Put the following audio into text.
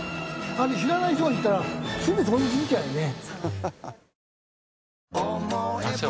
あれ知らない人が行ったらすぐ通り過ぎちゃうよね。